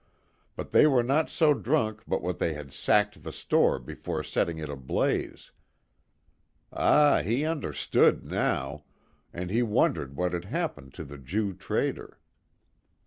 But they were not so drunk but what they had sacked the store before setting it ablaze. Ah, he understood now, and he wondered what had happened to the Jew trader.